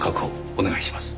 お願いします。